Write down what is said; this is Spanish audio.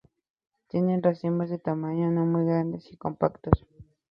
Tiene racimos de tamaños no muy grandes y compactos.